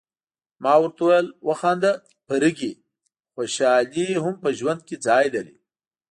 ما ورته وویل: وخانده فرګي، خوشالي هم په ژوند کي ځای لري.